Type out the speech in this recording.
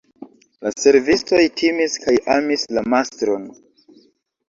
La servistoj timis kaj amis la mastron.